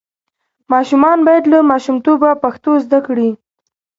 ماشومان باید له ماشومتوبه پښتو زده کړي.